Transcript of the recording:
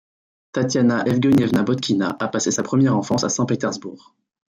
Tatiana Evguenievna Botkina a passé sa première enfance à Saint-Pétersbourg.